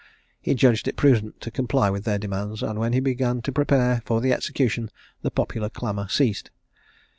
He judged it prudent to comply with their demands; and when he began to prepare for the execution, the popular clamour ceased.